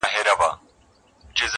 o بې عقل دونه په بل نه کوي، لکه په ځان.